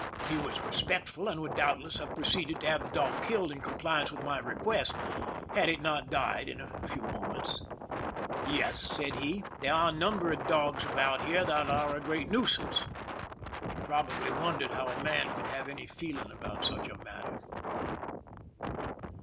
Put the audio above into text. He was respectful, and would doubtless have proceeded to have the dog killed, in compliance with my request, had it not died in a few moments. " Yes," said he ;" there are a number of dogs about here that are a great nuisance." He probably won 248 PEISON LIFE THE SIEGE dered how a man could have any feeling about such a matter.